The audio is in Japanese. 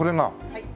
はい。